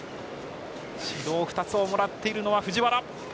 指導２つをもらっているのは藤原。